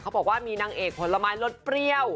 บอกว่ามีนางเอกผลไม้รสเปรี้ยว